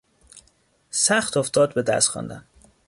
سخت افتاد به درس خواندن.